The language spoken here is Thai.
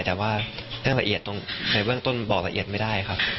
แต่ว่าในเรื่องต้นบอกละเอียดไม่ได้ครับ